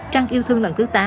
trang yêu thương lần thứ tám